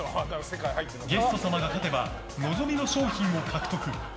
ゲスト様が勝てば望みの賞品を獲得。